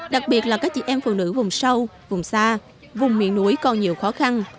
đặc biệt là các chị em phụ nữ vùng sâu vùng xa vùng miền núi còn nhiều khó khăn